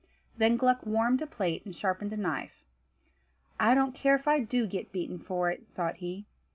Then Gluck warmed a plate and sharpened a knife. "I don't care if I do get beaten for it," thought he.